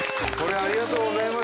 ありがとうございます。